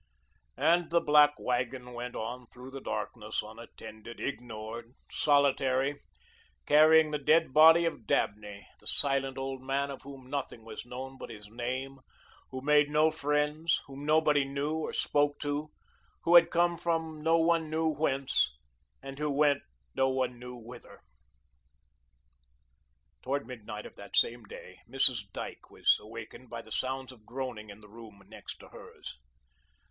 And the black wagon went on through the darkness, unattended, ignored, solitary, carrying the dead body of Dabney, the silent old man of whom nothing was known but his name, who made no friends, whom nobody knew or spoke to, who had come from no one knew whence and who went no one knew whither. Towards midnight of that same day, Mrs. Dyke was awakened by the sounds of groaning in the room next to hers.